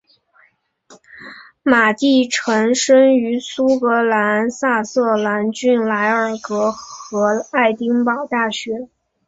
马地臣生于苏格兰萨瑟兰郡莱尔格和爱丁堡大学。